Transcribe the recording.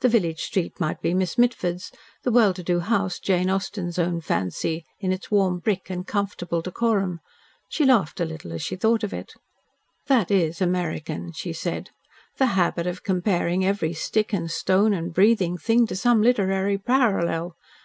The village street might be Miss Mitford's, the well to do house Jane Austen's own fancy, in its warm brick and comfortable decorum. She laughed a little as she thought it. "That is American," she said, "the habit of comparing every stick and stone and breathing thing to some literary parallel.